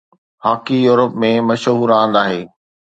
hockey يورپ ۾ مشهور راند آهي